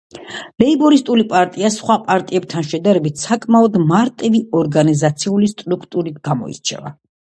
ლეიბორისტული პარტია სხვა პარტიებთან შედარებით საკმაოდ მარტივი ორგანიზაციული სტრუქტურით გამოირჩევა.